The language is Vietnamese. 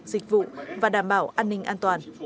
dịch vụ và đảm bảo an ninh an toàn